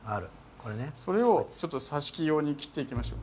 それをさし木用に切っていきましょう。